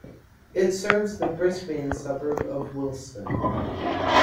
It serves the Brisbane suburb of Wilston.